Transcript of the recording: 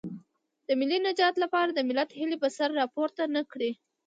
د ملي نجات لپاره د ملت هیلې به سر راپورته نه کړي.